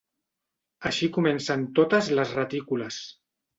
Així comencen totes les retícules.